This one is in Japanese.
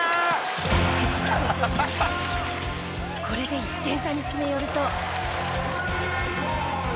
これで１点差に詰め寄ると。